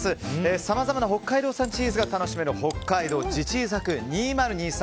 さまざまな北海道産チーズが楽しめる北海道地チーズ博２０２３